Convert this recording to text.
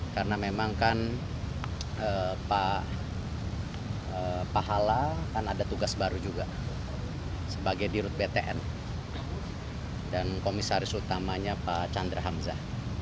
karena memang kan pak hala kan ada tugas baru juga sebagai dirut btn dan komisaris utamanya pak chandra hamzah